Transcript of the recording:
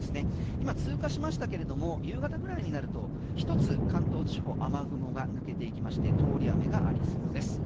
今、通過しましたけれども夕方ぐらいになると一つ、関東地方雨雲が抜けていきまして通り雨がありそうです。